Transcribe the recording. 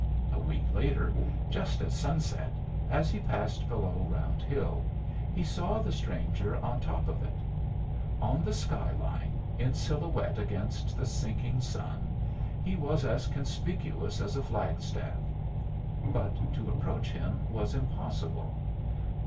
A week later, just at sunset as he passed below Round Hill, he saw the stranger on top of it. On the skyline, in silhouette against the sinking sun, he was as conspicuous as a flagstaff. But to approach him was impossible.